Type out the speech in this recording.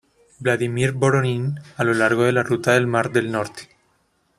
Vladímir Voronin, a lo largo de la Ruta del mar del Norte.